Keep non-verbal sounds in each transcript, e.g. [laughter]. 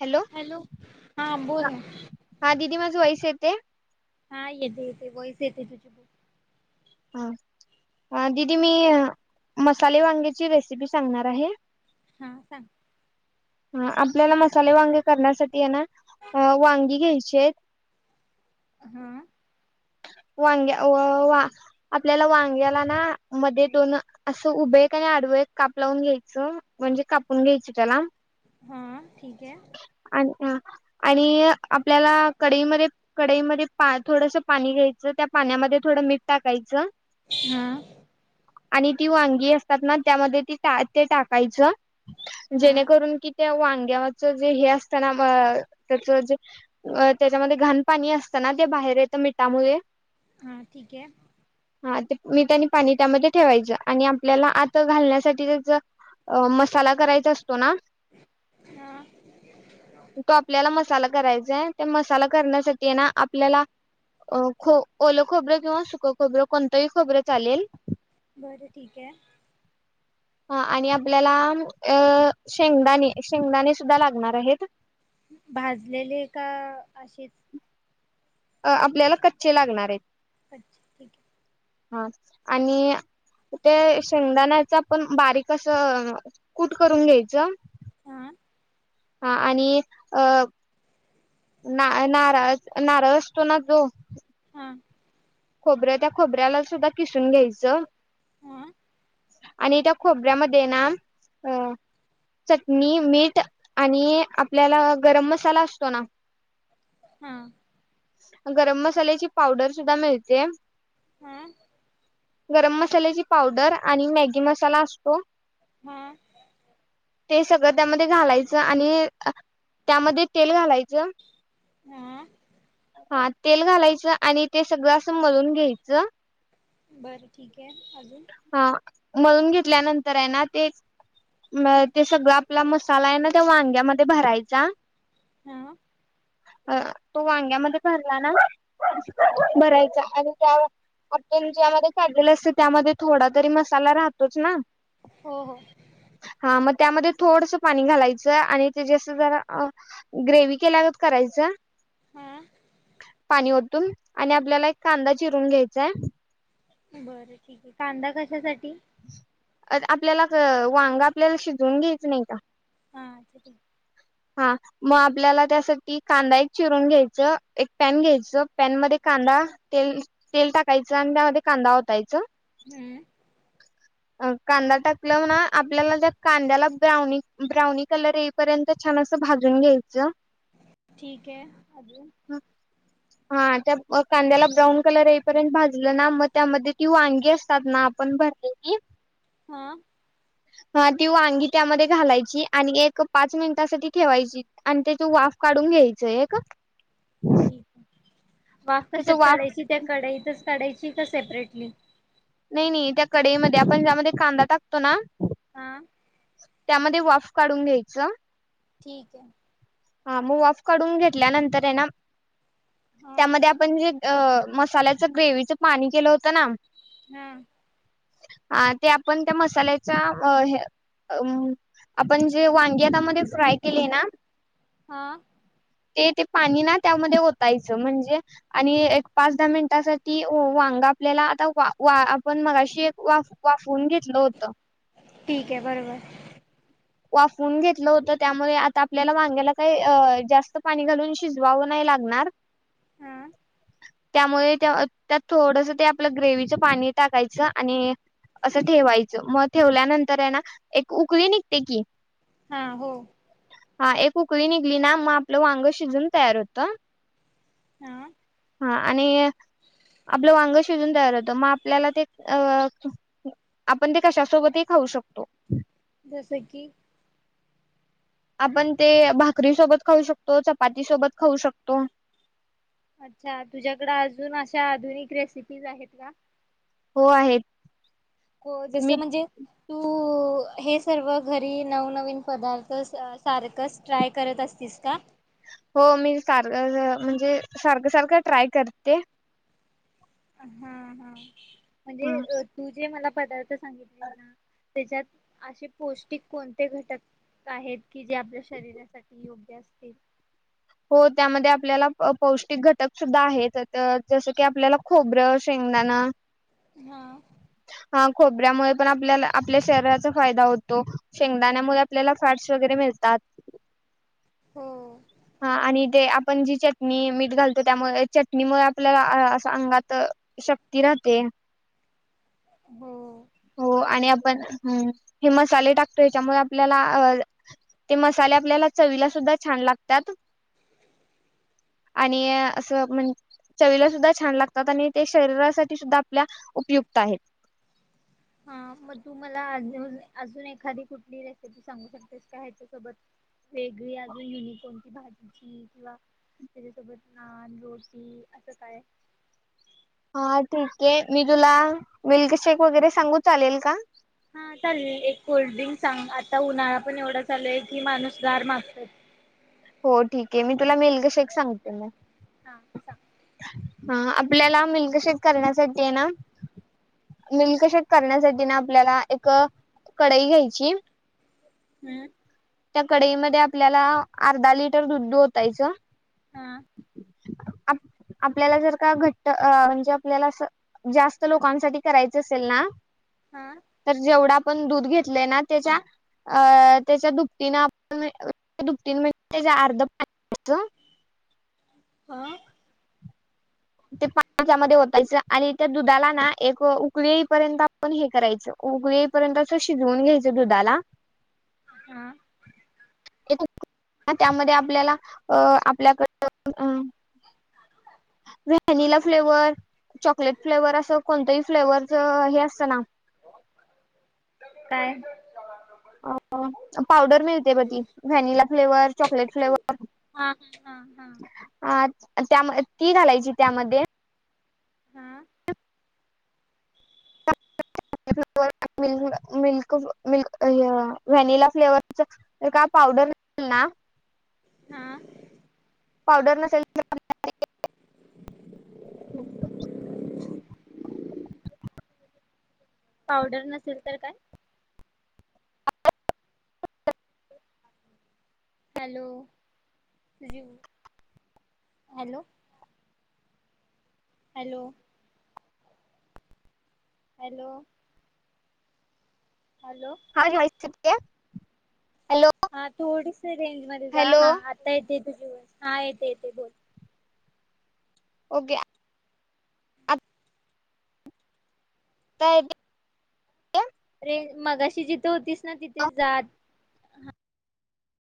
Hello! हा बोल ह ना. हा दिदी माझं वैसं येते? हा येते येते वैस येते तुझी ब हा दिदी मी मसाले वांगेची रेसिपी सांगणार आहे. हा सांग. ह आपल्याला मसाले वांगे करण्यासाठी येना ना वांगी घ्यायचियेत. हमम! वांग्या वा आपल्याला वांग्याला ना, मध्ये दोन असं उभे एक आणि आडवं एक काप लावून घ्यायचं म्हणजे कापून घ्यायच त्याला. हा ठीक आहे. आणि आपल्याला कडईमध्ये-कडईमध्ये थोडसं पा पाणी घ्यायचं. त्या पाण्यामध्ये थोडं मीठ टाकायचं हा! आणि ती वांगी असतात ना त्यामध्ये ती-ते टाकायचं. हा जेणेकरून की त्या वांग्यावरच जे हे असतं ना त्याच जे त्याच्यामध्ये घाण पाणी असतं ना ते बाहेर ये त मिठामुळे हं ठीक आहे. हा ते मीठ आणि पाणी त्यामध्ये ठेवायचं आणि आपल्याला आत घालण्यासाठी ज मसाला करायचा अस तो ना हा तो कापलेला म मसाला करायचाय ते मसाला करण्यासाठी ना आपल्याला अ खो ओल खोबरं किंवा सुख खोबरं कोणतंही खोबरं चालेल. बरं ठीक आहे. हा आणि आपल्याला अ शेंगदाणे शेंगदाणे सुद्धा लागणार आहेत. भाजलेले का असेच? अ आपल्याला कच्चे लागणार आहेत. अच्छा ठीक आहे. हा आणि ते शेंगदाण्याच आपण बारीक असं कूट करून घ्यायचं. आहे हा हा आणि अ ना नार नारळ असतो ना जो हा खोबर त्या खोबऱ्याला सुद्धा किस सून घ्यायचं. हा आणि त्या खोबऱ्यामध्ये ना अ चटणी मीठ आणि आपल्याला गरम मसाला असतो ना? हा गरम मसाल्याची पावडर सुद्धा मिळ जेम हम! गरम मसाल्याची पावडर आणि मॅगी मसाला असतो. हम ते सगळं त्यामध्ये घालायचं आणि त्यामध्ये तेल घालायचं हम! हा तेल घालायचं आणि ते सगळं असं मळून घ्यायचं. बरं ठीक आहे. के अजून हा मळून घेतल्यानंतर आहे ना? ते-ते सगळं आपला मसाला आहे ना त्या वांग्यामध्ये भरायचा. हा! अ तो वांग्यामध्ये भरला ना भरायचा आणि त्या आपण ज्यामध्ये काढलेलं अस त्यामध्ये थोडा तरी मसाला राहतोच ना हो हो हा मग त्यामध्ये थोडसं पाणी घालायचं आणि ते जसं जरा ग्रेवी केल्यागत करायचं. हा णी ओतून आणि आपल्याला एक कांदा चिरून घ्यायचाय बर ठीक आहे कांदा कशासा ठी आ आपल्याला वांग आपल्याला शिजवून घ्यायचं नाही का? हा [unintelligible] हा मग आपल्याला त्यासाठी कांदा एक चिरून घ्यायचं एक पॅन घ्यायचं पॅन मध्ये कांदा तेल तेल टाकायचं आणि त्यामध्ये कांदा ओतायचं हम्म अ कांदा टाकल्यावर ना आपल्याला त्या कांद्याला ब्राऊनी ब्राऊनी कलर येईपर्यं ते छान अस भाजून घ्याय ठीक आहे अजून हा त्या कांद्याला ब्राऊन कलर येईपर्यंत भाजलं ना मग त्यामध्ये ती वांगी असतात ना आपण भरलेली हा हा ती वांगी त्यामध्ये घालायची आणि एक पाच मिनिटासाठी ठेवायची आणि त्याची वाफ काढून घ्यायचय हे का ठीकये. वाफ कशात वाफ काढायची त्या कढाईतच काढायची ती का सेपरेटली नाही नाही त्या कडई मध्ये आपण ज्यामध्ये कांदा टाकतो ना हां त्यामध्ये वाफ काढून घ्यायचं ठीकये हा म वाफ काडून घेतल्यानंतरये ना हा त्यामध्ये आपण म्हणजे अ मसाल्याचं ग्रेवच पाणी केलं होतं ना हा हा ते आपण त्या मसाल्याच्या अ ह्य अ आपण जे वांगी आता मध्ये फ्राय केली ना हा ते ते पाणी ना त्यामध्ये वोतायचं म्हणजे आणि एक पाच दहा मिनिटासाठी वांग आपल्याला आता वाफ वा आपण मगाशी एक वाफ वाफवून घेतलं होत. ठीक आहे बरोबर वाफून घेतलं होत त्यामुळे आता आपल्याला वांग्याला काही अ जास्त पाणी घालून शिजवावं नाही लागणार हां त्यामुळे त्यात थोडस ते आपलं ग्रेवचं पाणी टाकायचं आणि असं ठेवायचं मग ठेवल्यानंतर आहे ना एक उकळी निघ ते की हा हो हा एक उकळी निघली ना म आपलं वांग शिजून तयार होतं. हा हा आणि आपलं वांग शिजून तयार होतं मग आपल्याला ते अ आपण ते कशासोबतही खाऊ शकतो. जसे कि आपण ते भाकरी सोबत खाऊ शकतो, चपाती सोबत खाऊ शकतो. अच्छा तुझ्याकडे अजून अशा आधुनिक रेसिपीज आहेत का? हो आहेत. को जसं मी म्हणजे तू हे सर्व घरी नव-नवीन पदार्थ सारखंच ट्राय करत असतीस का? हो मी सारं म्हणजे सारखं सारखं ट्राय करते. हम् हम! ह म्हणजे तु जे मला पदार्थ सांगितलीस ना? त्याच्यात असे पौष्टिक कोणते घटक आहेत? कि जे आपल्या शरीरासाठी योग्य अस तील हो त्यामध्ये आपल्याला पौष्टिक घटक सुद्धा आहेत जसं-जसं की आपल्याला खोबरं, शेंगदाण. हा हा खोबऱ्यामुळे पण आपल्याला आपल्या शरीराचा फायदा होतो. शेंगदाण्यामुळे आपल्याला फॅट्स वगैरे मिळतात. हो. हा आणि ते आपण जी चटणी, मीठ घालतो त्यामुळे चटणीमुळे आपल्याला अं-अं-असं अंगात शक्ती राहते. हो. हो आणि बरोबर आपण हो. हे मसाले टाकतो याच्यामुळे आपल्याला अ-ते मसाले आपल्याला चवीला सुद्धा छान लागतात आणि असं म्हण चवीला सुद्धा छान लागतात आणि ते शरीरासाठी सुद्धा आपल्या उपयुक्त आहेत. हा मग तू मला अजून अजून एखादी कुठली रेसिपी सांगू शकतेस का ह्याच्या सोबत? वेगळी आजुन युनिक कोणती भाजी? त्याच्यासोबत नान रोटी असं काय? हा ठीक आहे मी तुला मिल्कशेक वगैरे सांगू चालेल का? हा चालेलं एक कोल्ड्रिंक सांग. आता उन्हाळा पण एवढा चालूय की माणूस गार मागतय. हो ठीक आहे मी तुला मिल्कशेक सांगते मग. हा सांग. हा आपल्याला मिल्कशेेक करण्यासाठी आहे ना, मिल्कशेेक करण्यासाठी ना आपल्याला एक कढई घ्यायची हम्म! त्या कढईमध्ये आपल्याला अर्धा लिटर दुदु ओतायचं. हा! आपल्याला जर का घट्ट म्हणजे आपल्याला असं जास्त लोकांसाठी करायचं असेल ना? हा तर जेवढा आपण दूध घेतलय ना त्याच्या त्याच्या दुप्प टिन आपण दुपटीन म्हणजे त्या अर्ध पाणी घ्यायचं. हा! ते पाणी त्या मध्ये ओतायच आणि त्या दुधाला ना एक उकळी येईपर्यंत आपण हे करायचं, उगळी येईपर्यंत असं शिजवून घ्यायचं दुधाला. हां! त्यामध्ये आपल्याला अ, आपल्याकड अं व्हॅनिला फ्लेवर चॉकलेट फ्लेवर असं कोणतही फ्लेवरच हे असतं ना? काय? अ पावडर मिळते ब ती व्हॅनिला फ्लेवर, चॉकलेट फ्लेवर हा हा हा हा ती त्याम ती घालायची त्यामध्ये हां मिल्क व्हॅनिला फ्लेवरच का पावडर मिळेल ना. हा पावडर नसेल तर, [inaudible] पावडर नसेल तर काय? [inaudible] Hello hello hello hello hello हा घ्यायचच. काय हा थोडीशी रेंज मध्ये जा ह हॅलो आता ये येते का बग हा येते येते बोल. ओके आ काय ते [unintelligible] तेच मगाशी जिथ होतीस. ना तिथे जात.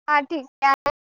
हा ठीक हाय.